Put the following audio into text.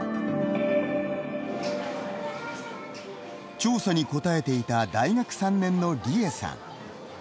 調査に答えていた大学３年のリエさん。